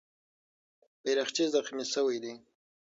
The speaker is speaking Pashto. بیرغچی زخمي سوی دی.